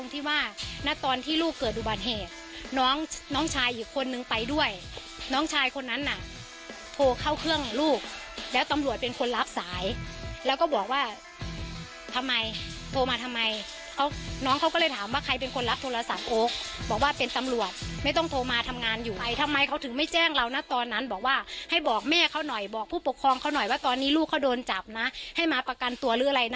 ถ้าเธอโดนจับให้มาประกันตัวหรืออะไร